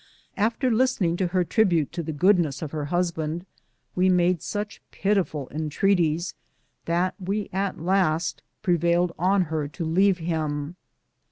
After listening to her tribute to the goodness of her husband, we made such pitiful entreaties that we at last prevailed on her to leave him.